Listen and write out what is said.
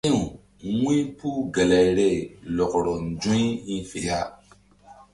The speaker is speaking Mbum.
Si̧w wu̧ypuh gelayri lɔkrɔ nzu̧y hi̧ fe ya.